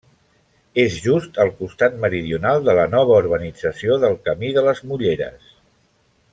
És just al costat meridional de la nova urbanització del Camí de les Mulleres.